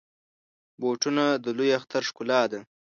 بوټونه د لوی اختر ښکلا ده.